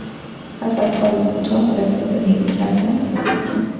پس از خوابی کوتاه احساس نیرو کردن